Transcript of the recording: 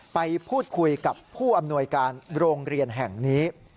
ไปพูดคุยกับผู้อำนวยการโรงเรียนแห่งนี้